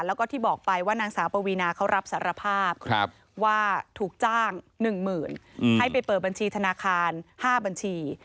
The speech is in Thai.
แล้วก็ที่บอกไปว่านางสาวปวีนาเขารับสารภาพว่าถูกจ้าง๑๐๐๐ให้ไปเปิดบัญชีธนาคาร๕บัญชี